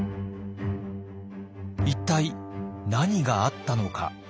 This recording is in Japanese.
一体何があったのか。